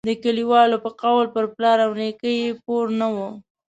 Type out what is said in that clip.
د کلیوالو په قول پر پلار او نیکه یې پور نه وو.